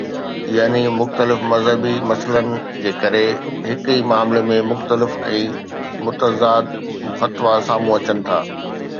يعني مختلف مذهبي مسئلن جي ڪري هڪ ئي معاملي ۾ مختلف ۽ متضاد فتوا سامهون اچن ٿا